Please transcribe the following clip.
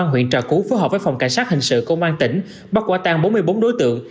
huyện trà cứu phối hợp với phòng cảnh sát hình sự công an tỉnh bắt quả tăng bốn mươi bốn đối tượng